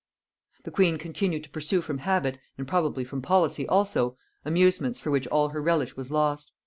The queen continued to pursue from habit, and probably from policy also, amusements for which all her relish was lost.